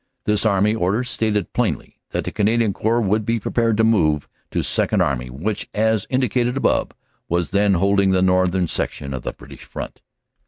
This Army order stated plainly that the Canadian Corps would be prepared to move to Second Army, which, as indi cated above, was then holding the northern section of the British front.